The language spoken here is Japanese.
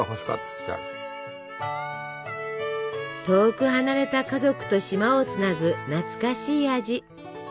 遠く離れた家族と島をつなぐ懐かしい味。